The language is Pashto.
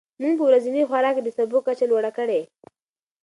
موږ په ورځني خوراک کې د سبو کچه لوړه کړې.